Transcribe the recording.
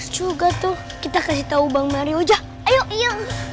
juga tuh kita kasih tahu bang mario jah ayo iya